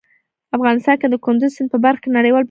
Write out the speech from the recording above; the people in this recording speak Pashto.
افغانستان د کندز سیند په برخه کې نړیوالو بنسټونو سره کار کوي.